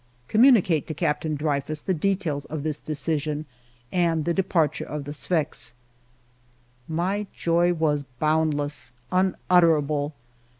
" Communicate to Captain Dreyfus the details of this decision and the departure of the Sfax." My joy was boundless, unutterable.